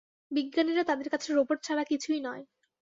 বিজ্ঞানীরা তাদের কাছে রোবট ছাড়া কিছুই নয়।